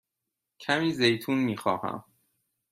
کمی زیتون می خواهم.